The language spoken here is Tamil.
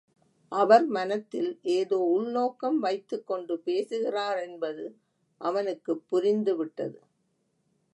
அவர் மனத்தில் ஏதோ உள்நோக்கம் வைத்துக் கொண்டு பேசுகிறாரென்பது அவனுக்குப் புரிந்துவிட்டது.